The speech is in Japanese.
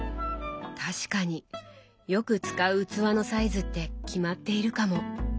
確かによく使う器のサイズって決まっているかも。